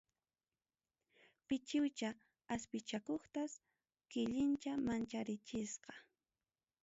Pichiwcha aspichakuqtas, killincha mancharichisqa.